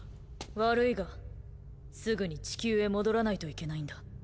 悪いがすぐに地球へ戻らないといけないんだ。